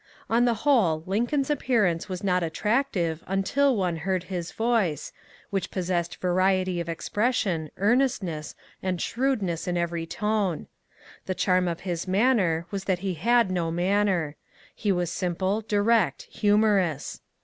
On the whole Lincoln's appearance was not attractive until one heard his voice, which possessed variety of expression, earnestness, and shrewdness in every tone. The charm of his manner was that he had no manner ; he was sim ple, direct, humorous.